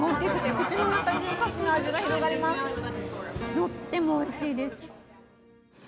とってもおいしいです。